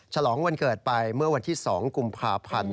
ฉลองวันเกิดไปเมื่อวันที่๒กุมภาพันธ์